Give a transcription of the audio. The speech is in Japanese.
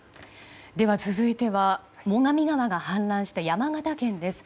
続いては最上川が氾濫した山形県です。